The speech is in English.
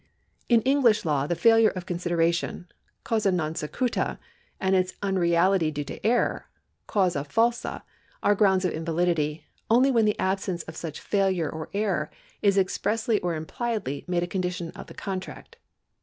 In English law the failure of consideration (causa non secuta) and its uni eality due to error (causa falsa) are grounds of invalidity, only when the absence of such failure or error is expressly or impliedly made a condi tion of the contract.